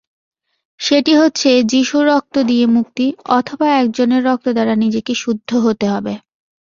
সেটি হচ্ছে যীশুর রক্ত দিয়ে মুক্তি, অথবা একজনের রক্তদ্বারা নিজেকে শুদ্ধ হতে হবে।